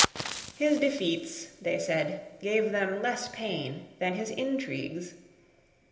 His defeats, they said, gave them less pain than his intrigues.